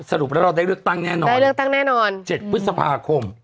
สรุปแล้วเราได้เลือกตั้งแน่นอนได้เลือกตั้งแน่นอน๗พฤษภาคม